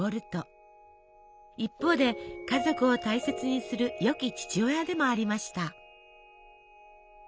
一方で家族を大切にするよき父親でもありました。